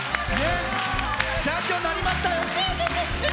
チャンピオンになりましたよ。